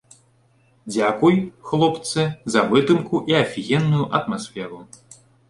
Дзякуй, хлопцы, за вытрымку і афігенную атмасферу.